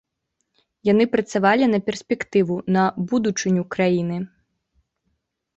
Яны працавалі на перспектыву, на будучыню краіны.